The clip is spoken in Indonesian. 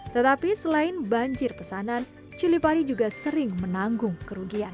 tetapi selain banjir pesanan cilipari juga sering menanggung kerugian